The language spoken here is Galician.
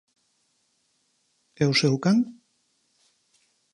_¿E o seu can?